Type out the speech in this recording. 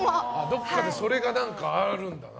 どっかでそれがあるんだな。